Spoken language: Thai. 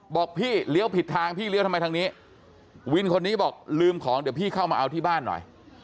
บอกพี่เลี้ยวผิดทางพี่เลี้ยวทำไมทางนี้วินคนนี้บอกลืมของเดี๋ยวพี่เข้ามาเอาที่บ้านหน่อย